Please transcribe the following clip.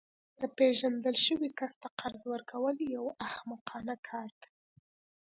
ناپیژندل شوي کس ته قرض ورکول یو احمقانه کار دی